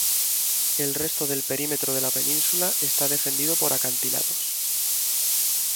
El resto del perímetro de la península está defendido por acantilados.